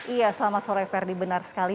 iya selamat sore ferdi benar sekali